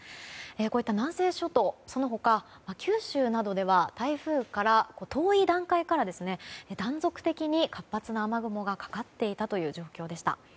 こういった南西諸島その他、九州などでは台風から遠い段階から断続的に活発な雨雲がかかっていたという状況でした。